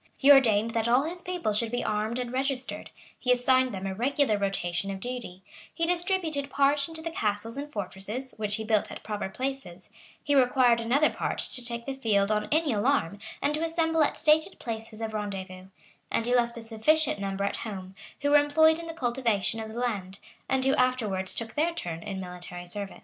He ordained that all his people should be armed and registered; he assigned them a regular rotation of duty; he distributed part into the castles and fortresses, which he built at proper places;[] he required another part to take the field on any alarm, and to assemble at stated places of rendezvous; and he left a sufficient number at home, who were employed in the cultivation of the land, and who afterwards took their turn in military service.